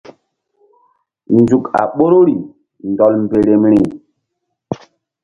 Nzuk a ɓoruri ndɔl mberemri.